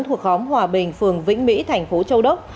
thuộc khóm hòa bình phường vĩnh mỹ thành phố châu đốc